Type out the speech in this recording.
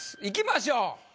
いきましょう。